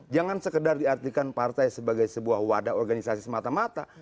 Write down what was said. jangan sekedar diartikan partai sebagai sebuah wadah organisasi semata mata